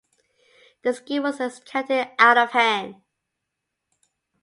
The scheme was discounted out of hand.